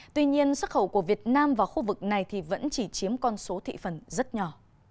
tuy nhiên xuất khẩu của việt nam vào khu vực này thì vẫn chỉ chiếm con số thị phần rất nhỏ